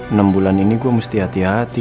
enam bulan ini gue mesti hati hati